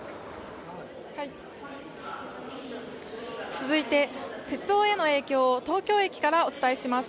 続いて、鉄道への影響を東京駅からお伝えします。